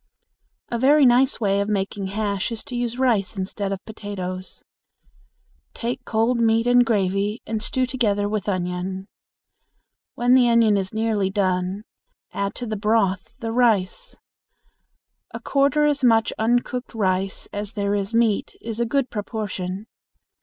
A very nice way of making hash is to use rice instead of potatoes. Take cold meat and gravy and stew together with onion. When the onion is nearly done, add to the broth the rice. A quarter as much uncooked rice as there is meat is a good proportion.